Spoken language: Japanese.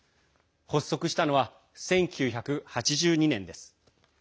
発足したのは１９８２年です。